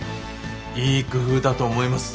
いい工夫だと思います。